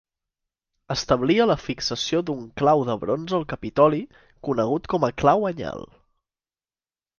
Establia la fixació d'un clau de bronze al Capitoli conegut com a Clau anyal.